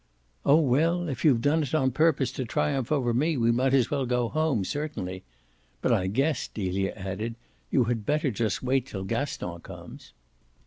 "Oh well, if you've done it on purpose to triumph over me we might as well go home, certainly. But I guess," Delia added, "you had better just wait till Gaston comes."